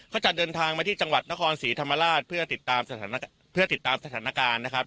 เขาจะเดินทางมาที่จังหวัดนครศรีธรรมราชเพื่อติดตามสถานการณ์นะครับ